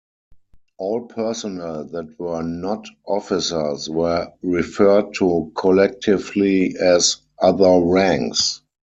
All personnel that were not officers were referred to collectively as "other ranks".